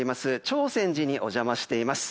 長泉寺にお邪魔しています。